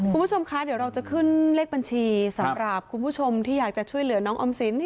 คุณผู้ชมคะเดี๋ยวเราจะขึ้นเลขบัญชีสำหรับคุณผู้ชมที่อยากจะช่วยเหลือน้องออมสิน